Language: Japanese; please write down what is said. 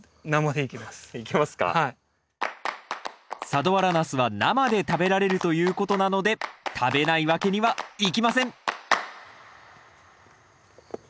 佐土原ナスは生で食べられるということなので食べないわけにはいきません！